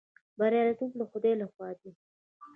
بریالیتوب د خدای لخوا دی